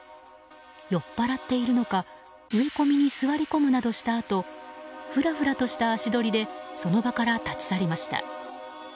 酔っぱらっているのか植え込みに座り込むなどしたあとふらふらとした足取りでその場から立ち去りました。